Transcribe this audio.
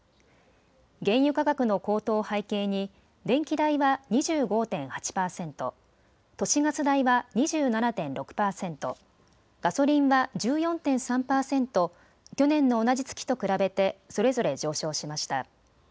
原油価格の高騰を背景に、電気代は２５．８％、都市ガス代は２７．６％、ガソリンは１４．３％、去年の同じ月と比べて、それぞれ上昇しました。